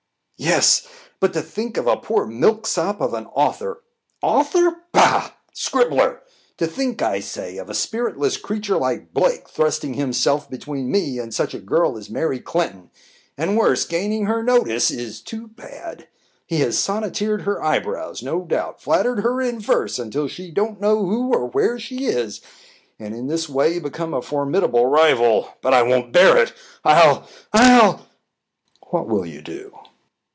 "Yes; but to think of a poor milk sop of an author author? pah! scribbler! to think, I say, of a spiritless creature like Blake thrusting himself between me and such a girl as Mary Clinton; and worse, gaining her notice, is too bad! He has sonneteered her eyebrows, no doubt flattered her in verse until she don't know who or where she is, and in this way become a formidable rival. But I won't bear it I'll ll" "What will you do?"